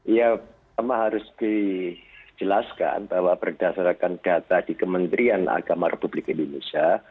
ya pertama harus dijelaskan bahwa berdasarkan data di kementerian agama republik indonesia